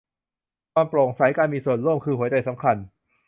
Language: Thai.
ความโปร่งใส การมีส่วนร่วม คือหัวใจสำคัญ